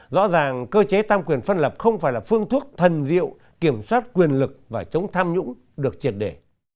rõ ràng cơ chế tam quyền phân lập không phải là phương thuốc thần diệu kiểm soát quyền lực và chống tham nhũng được triệt để